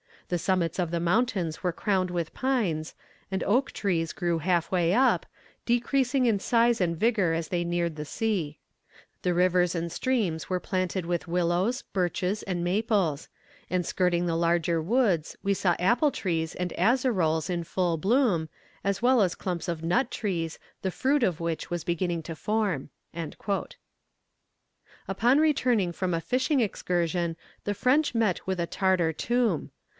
The summits of the mountains were crowned with pines, and oak trees grew half way up, decreasing in size and vigour as they neared the sea. The rivers and streams were planted with willows, birches, and maples; and skirting the larger woods we saw apple trees and azaroles in full bloom, as well as clumps of nut trees, the fruit of which was beginning to form." Upon returning from a fishing excursion the French met with a Tartar tomb.